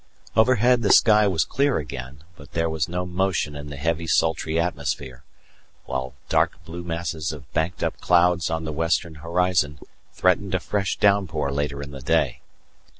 Overhead the sky was clear again; but there was no motion in the heavy sultry atmosphere, while dark blue masses of banked up clouds on the western horizon threatened a fresh downpour later in the day.